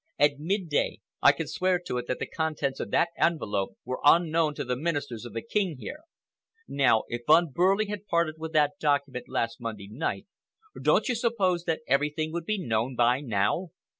"At mid day, I can swear to it that the contents of that envelope were unknown to the Ministers of the King here. Now if Von Behrling had parted with that document last Monday night, don't you suppose that everything would be known by now?